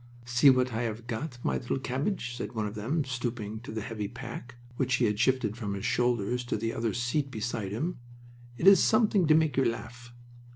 "See what I have got, my little cabbage," said one of them, stooping to the heavy pack which he had shifted from his shoulders to the other seat beside him. "It is something to make you laugh."